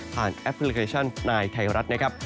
ผ่านแอปพลิเคชัน๙ไทยรัฐนะครับ